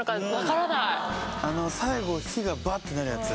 最後火がばってなるやつ。